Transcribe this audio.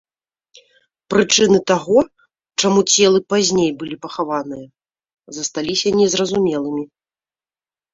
Прычыны таго, чаму целы пазней былі пахаваныя, засталіся незразумелымі.